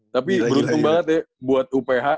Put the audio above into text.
tapi beruntung banget ya buat uph dia ngerti gitu